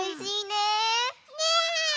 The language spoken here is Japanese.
ねえ。